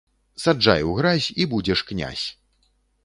Саджай у гразь і будзеш князь.